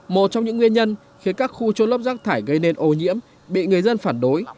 một trong những nguyên nhân khiến các khu trôn lấp rác thải gây nên ô nhiễm bị người dân phản đối